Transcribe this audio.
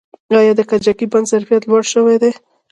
آیا د کجکي بند ظرفیت لوړ شوی دی؟